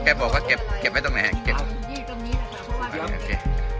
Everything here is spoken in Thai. แกบอกว่าเก็บไว้ตรงไหนครับเก็บตรงนี้นะคะเพราะว่าโอเค